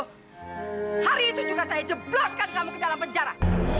hari itu juga saya jebloskan kamu ke dalam penjara